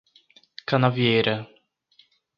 Canavieira